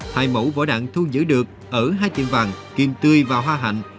hai mẫu vỏ đạn thu nhữ được ở hai tiệm vàng kiên tươi và hoa hạnh